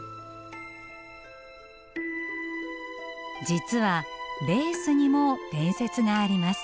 実はレースにも伝説があります。